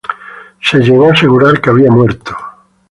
Se llegó a asegurar que había muerto.